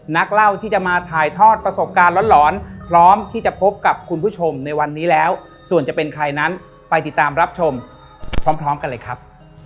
นักเล่าที่จะมาถ่ายทอดประสบการณ์หลอนพร้อมที่จะพบกับคุณผู้ชมในวันนี้แล้วส่วนจะเป็นใครนั้นไปติดตามรับชมพร้อมกันเลยครับ